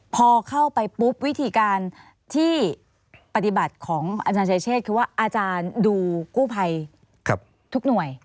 พอเข้าไปปุ๊บวิธีการที่ปฏิบัติของอาจารย์ชายเชษคือว่าอาจารย์ดูกู้ภัยทุกหน่วย